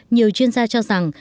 hai mươi nhiều chuyên gia cho rằng